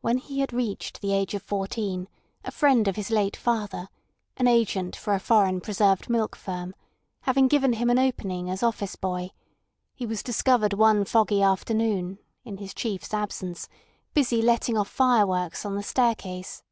When he had reached the age of fourteen a friend of his late father, an agent for a foreign preserved milk firm, having given him an opening as office boy, he was discovered one foggy afternoon, in his chief's absence, busy letting off fireworks on the staircase.